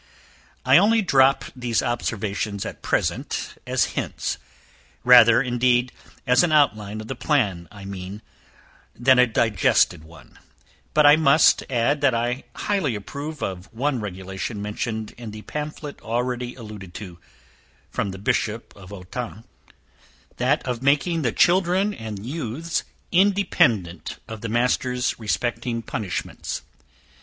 I only drop these observations at present, as hints; rather, indeed as an outline of the plan I mean, than a digested one; but I must add, that I highly approve of one regulation mentioned in the pamphlet already alluded to (The Bishop of Autun), that of making the children and youths independent of the masters respecting punishments.